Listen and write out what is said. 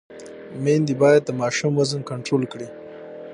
میندې باید د ماشوم وزن کنټرول کړي۔